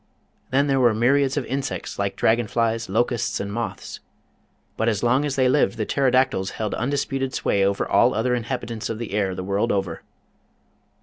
Then there were myriads of insects like dragon flies, locusts, and moths. But as long as they lived, the Pterodactyls held undisputed sway over all other inhabitants of the air the world over.